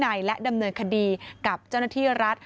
ในและดำเนินคดีกับเจ้าหน้าที่รัฐ